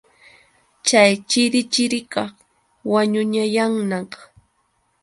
Chay chirichirikaq wañunayanñaq.